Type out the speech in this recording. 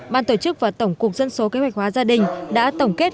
ban tổ chức và tổng cục dân số kế hoạch hóa gia đình đã tổng kết